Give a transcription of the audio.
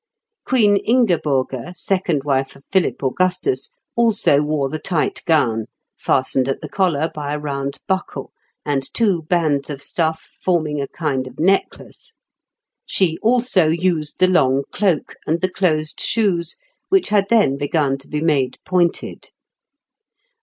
Queen Ingeburge, second wife of Philip Augustus, also wore the tight gown, fastened at the collar by a round buckle, and two bands of stuff forming a kind of necklace; she also used the long cloak, and the closed shoes, which had then begun to be made pointed.